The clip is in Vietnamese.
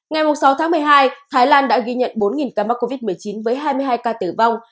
ngày sáu tháng một mươi hai thái lan đã ghi nhận bốn ca mắc covid một mươi chín với hai mươi hai ca tử vong